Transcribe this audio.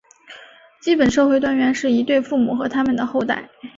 基本社会单元是一对父母和它们的后代。